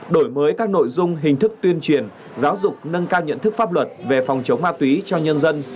đổi mới các nội dung hình thức tuyên truyền giáo dục nâng cao nhận thức pháp luật về phòng chống ma túy cho nhân dân